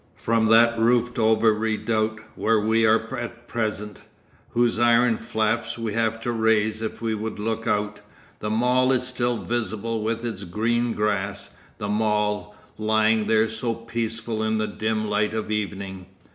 From that roofed over redoubt where we are at present, whose iron flaps we have to raise if we would look out, the mall is still visible with its green grass; the mall, lying there so peaceful in the dim light of evening.